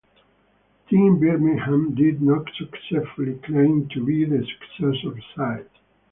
Team Birmingham did not successfully claim to be the successor side.